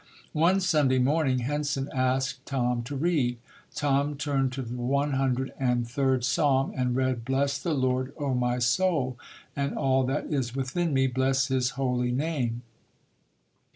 One Sunday morning Henson asked Tom to read. Tom turned to the One hundred and third Psalm and read: "Bless the Lord, O my 204 ] UNSUNG HEROES soul: and all that is within me, bless His holy name".